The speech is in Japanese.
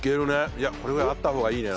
いやこれぐらいあった方がいいね。